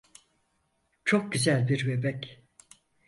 Çok güzel bir bebek.